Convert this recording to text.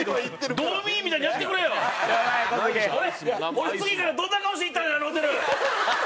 俺次からどんな顔して行ったらええんやあのホテル！